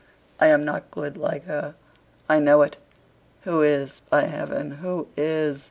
I am not good like her, I know it. Who is by heaven, who is?